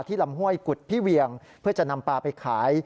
ลำห้วยกุฎพี่เวียงเพื่อจะนำปลาไปขาย